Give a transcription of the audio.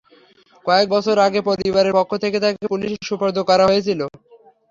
কয়েক বছর আগে পরিবারের পক্ষ থেকে তাঁকে পুলিশে সোপর্দ করা হয়েছিল।